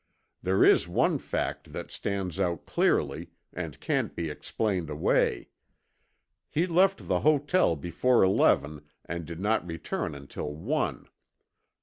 There is one fact that stands out clearly, and can't be explained away. He left the hotel before eleven and did not return until one.